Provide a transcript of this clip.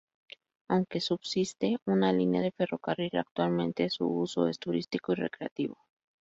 Aunque subsiste una línea de ferrocarril, actualmente su uso es turístico y recreativo.